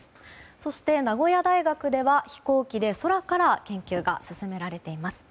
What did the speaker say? そして名古屋大学では飛行機で空から研究が進められています。